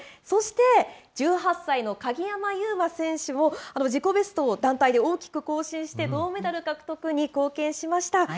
そして１８歳の鍵山優真選手も、自己ベストを団体で大きく更新して銅メダル獲得に貢献しました。